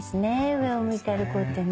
『上を向いて歩こう』ってね。